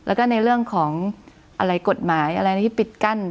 แล้วก็ในเรื่องของอะไรกฎหมายอะไรที่ปิดกั้น